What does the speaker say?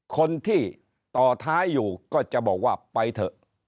คนที่ต่อท้ายอยู่ก็จะบอกว่าไปเถอะ